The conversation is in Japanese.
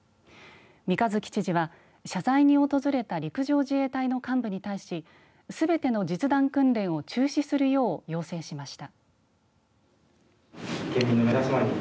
三日月知事は謝罪に訪れた陸上自衛隊の幹部に対しすべての実弾訓練を中止するよう要請しました。